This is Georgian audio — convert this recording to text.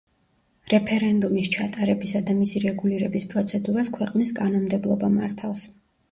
რეფერენდუმის ჩატარებისა და მისი რეგულირების პროცედურას ქვეყნის კანონმდებლობა მართავს.